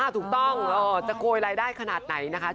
ถูกต้องจะโกยรายได้ขนาดไหนนะคะ